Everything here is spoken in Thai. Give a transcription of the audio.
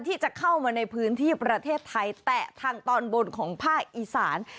ที่จะเข้ามาในพื้นที่ประเทศไทยแตะทางตอนบนของภาคอีสาน